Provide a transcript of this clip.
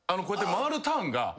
こうやって回るターンが。